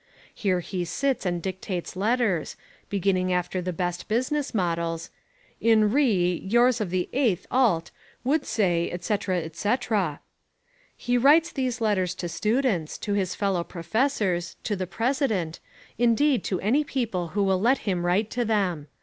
Here he sits and dictates letters, beginning after the best business models, "in re yours of the eighth ult., would say, etc., etc." He writes these letters to students, to his fellow professors, to the president, indeed to any people who will let him write to them.